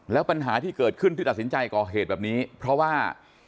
แล้วปัญหาที่เกิดขึ้นที่ตัดสินใจก่อเหตุแบบนี้เพราะว่า